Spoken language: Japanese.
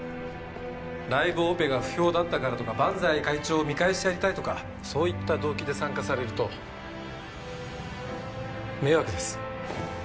ライブオペが不評だったからとか伴財会長を見返してやりたいとかそういった動機で参加されると迷惑です。